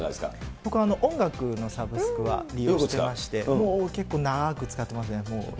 僕は音楽のサブスクは利用してまして、結構長く使ってますね。